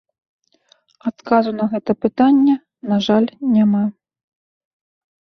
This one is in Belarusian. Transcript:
Адказу на гэта пытанне, на жаль, няма.